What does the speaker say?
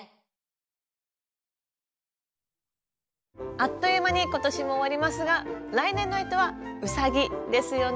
あっという間に今年も終わりますが来年の干支はうさぎですよね。